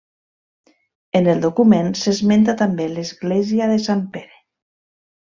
En el document, s'esmenta també l'església de Sant Pere.